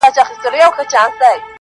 خو له نوم بدۍ ویریږي